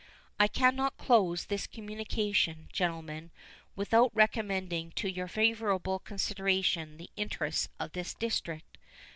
I can not close this communication, gentlemen, without recommending to your most favorable consideration the interests of this District.